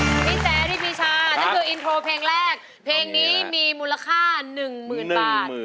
พี่โจมพี่แสรี่พิชานั่นคืออินโทรเพลงแรกเพลงนี้มีมูลค่า๑๐๐๐๐บาท